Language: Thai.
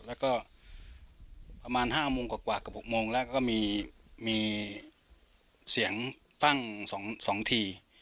แล้วก็ประมาณ๕โมงกว่ากับ๖โมงแล้วก็มีเสียงตั้ง๒ที